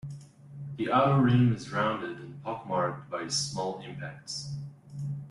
The outer rim is rounded and pock-marked by small impacts.